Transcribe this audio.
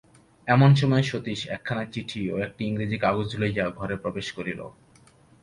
এমন সময় সতীশ একখানি চিঠি ও একটি ইংরাজি কাগজ লইয়া ঘরে প্রবেশ করিল।